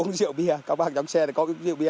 có uống rượu bia các bác ở trong xe này có uống rượu bia